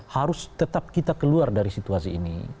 harus tetap kita keluar dari situasi ini